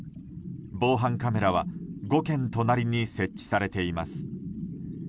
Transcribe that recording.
防犯カメラは５軒隣に設置されています。